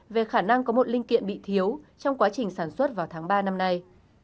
về khả năng có một linh kiện bị thiếu trong quá trình sản xuất vào tháng ba năm nay